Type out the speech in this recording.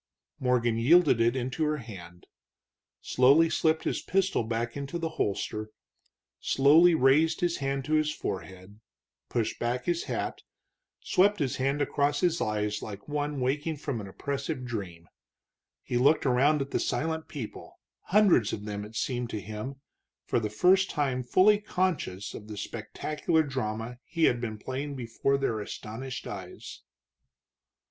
Morgan yielded it into her hand, slowly slipped his pistol back into the holster, slowly raised his hand to his forehead, pushed back his hat, swept his hand across his eyes like one waking from an oppressive dream. He looked around at the silent people, hundreds of them, it seemed to him, for the first time fully conscious of the spectacular drama he had been playing before their astonished eyes.